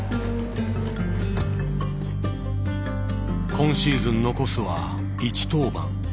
今シーズン残すは１登板。